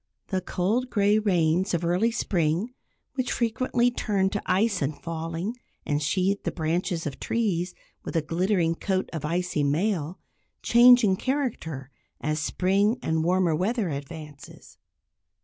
The cold gray rains of early spring, which frequently turn to ice in falling, and sheathe the branches of trees with a glittering coat of icy mail, change in character as spring and the warmer weather advances.